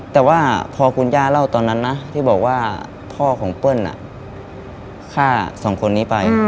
แต่ว่าพอคุณย่าเล่าตอนนั้นนะที่บอกว่าพ่อของเปิ้ลฆ่าสองคนนี้ไป